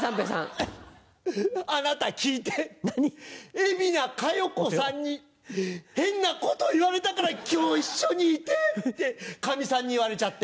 「海老名香葉子さんに変なこと言われたから今日一緒にいて！」ってかみさんに言われちゃって。